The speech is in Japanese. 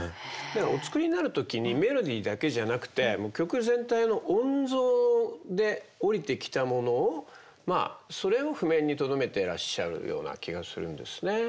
お作りになる時にメロディーだけじゃなくてもう曲全体の音像で降りてきたものをそれを譜面にとどめてらっしゃるような気がするんですね。